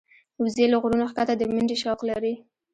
وزې له غرونو ښکته د منډې شوق لري